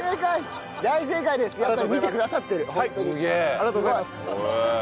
ありがとうございます！